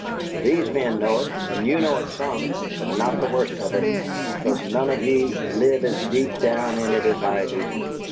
These men know it, and you know some, but not the worst of it, because none of ye live as deep down in it as I do!